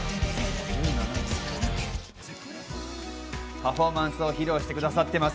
パフォーマンスを披露してくださっています。